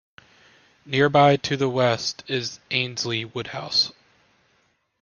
Nearby to the west is Annesley Woodhouse.